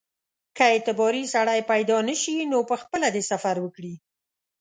که اعتباري سړی پیدا نه شي نو پخپله دې سفر وکړي.